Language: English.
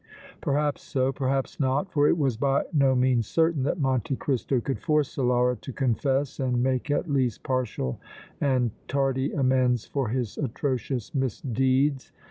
Perhaps so, perhaps not, for it was by no means certain that Monte Cristo could force Solara to confess and make at least partial and tardy amends for his atrocious misdeeds.